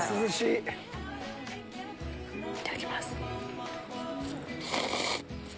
いただきます。